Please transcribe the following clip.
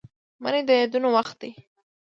منی د یادونو وخت دی